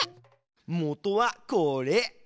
もとはこれ。